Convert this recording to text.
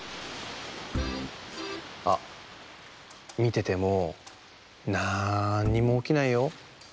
あっみててもなんにもおきないよ。